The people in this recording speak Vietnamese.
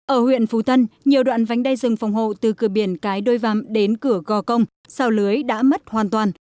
ở huyện phú tân nhiều đoạn vánh đai rừng phòng hộ từ cửa biển cái đôi vàm đến cửa gò công sao lưới đã mất hoàn toàn